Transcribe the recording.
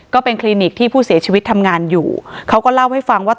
คลินิกที่ผู้เสียชีวิตทำงานอยู่เขาก็เล่าให้ฟังว่า